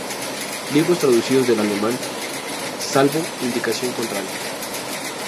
Libros traducidos del alemán, salvo indicación contraria.